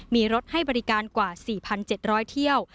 มีรถให้บริการกว่า๔๗๐๐เที่ยว